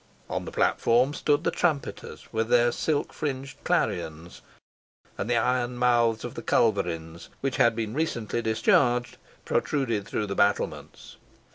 On the platform stood the trumpeters with their silk fringed clarions, and the iron mouths of the culverins, which had been recently discharged, protruded through the battlements.